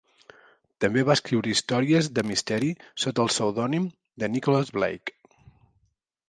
També va escriure històries de misteri sota el pseudònim de Nicholas Blake.